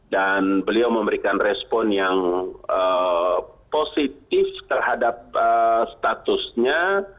dan beliau memberikan respon yang positif terhadap statusnya